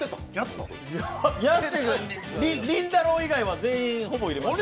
りんたろー以外は全員、ほぼ入れました。